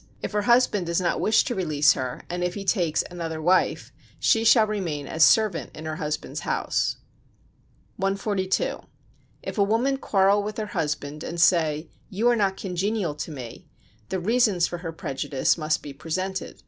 If her husband does not wish to release her, and if he take another wife, she shall remain as servant in her husband's house. 142. If a woman quarrel with her husband, and say: "You are not congenial to me," the reasons for her prejudice must be presented.